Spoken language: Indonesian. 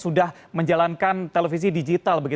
sudah menjalankan televisi digital